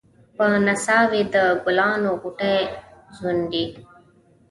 په نڅا وې د ګلانو غوټۍ ځونډي